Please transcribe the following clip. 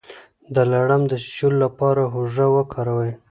د لړم د چیچلو لپاره هوږه وکاروئ